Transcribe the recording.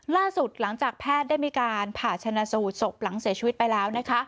ล่าสุดหลังจากแพทย์ได้มีการผ่าชนะสูตรศพหลังเสียชีวิตไปแล้วนะคะ